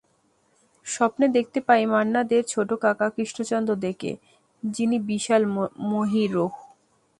স্বপ্নে দেখতে পাই মান্না দের ছোট কাকা কৃষ্ণচন্দ্র দেকে, যিনি বিশাল মহিরুহ।